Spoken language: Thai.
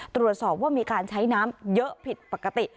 ตรวจสอบว่ามีการใช้น้ำเยอะผิดปกติ